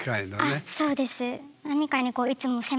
あっそうです。